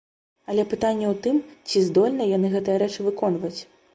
Але пытанне ў тым, ці здольныя яны гэтыя рэчы выконваць?